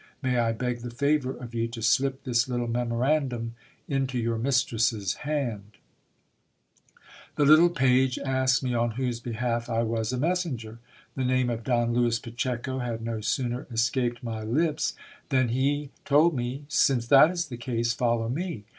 May I beg the favour of you to slip this little memorandum into your mistress's hand ? The little page asked me on whose behalf I was a messenger. The name of Don Lewis Pacheco had no sooner escaped my lips, than he told me — Since that is the case, follow me.